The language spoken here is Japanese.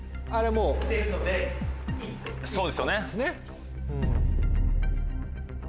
そうですよね。